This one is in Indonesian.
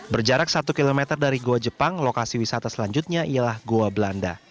berjarak satu km dari goa jepang lokasi wisata selanjutnya ialah goa belanda